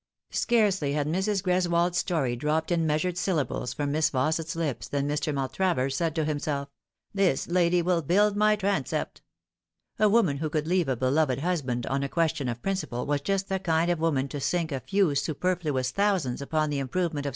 Scarcely had Mrs. Greswold's story dropped in measured syllables from Miss Faus set's lips than Mr. Maltravers said to himself, " This lady will build my transept." A woman who could leave a beloved husband on a question of principle was just the kind of woman to sink a few superfluous thousands upon the improvement of Higher Views.